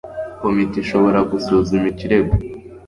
komite ishobora gusuzuma ikirego